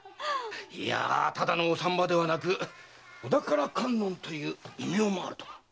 いやただのお産婆ではなく「子宝観音」という異名もあるとか。